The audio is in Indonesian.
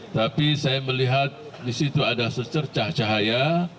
tapi saya melihat di situ ada secercah cahaya